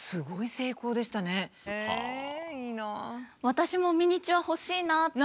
私もミニチュア欲しいなって。